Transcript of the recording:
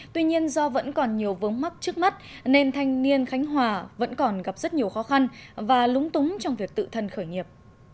tuy nhiên do vẫn còn nhiều vướng mắc trước mắt nên thanh niên khánh hòa vẫn còn gặp rất nhiều khó khăn và lúng túng trong việc tự thân khởi nghiệp